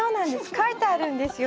書いてあるんですよ